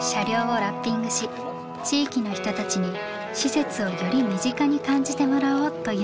車両をラッピングし地域の人たちに施設をより身近に感じてもらおうというのです。